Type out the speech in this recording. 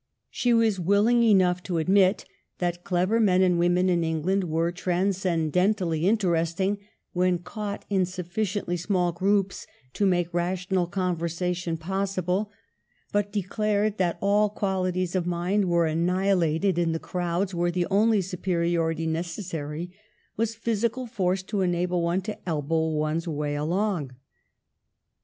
She was willing enough to admit that clever men and women in England were transcendentally interesting when caught in sufficiently small groups to make rational conversation possible ; but declared that all qualities of mind were anni hilated in the crowds, where the only superiority necessary was physical force to enable one to elbow one's way along.